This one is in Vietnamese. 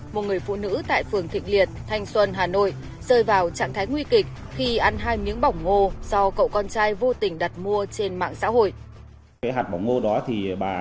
một người phụ nữ tại phường thịnh liệt thanh xuân hà nội rơi vào trạng thái nguy kịch khi ăn hai miếng bỏng ngô do cậu con trai vô tình đặt mua trên mạng xã hội